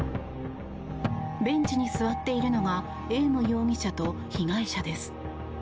ベンチに座っているのがエーム容疑者と被害者です。